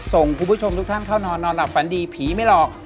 ส่งคุณผู้ชมทุกท่านเข้านอนนอนหลับฝันดีผีไม่หลอก